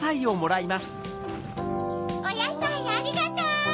おやさいありがとう！